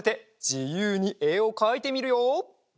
じゆうにえをかいてみるよ！